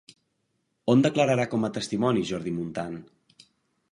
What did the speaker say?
On declararà com a testimoni Jordi Muntant?